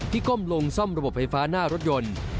ก้มลงซ่อมระบบไฟฟ้าหน้ารถยนต์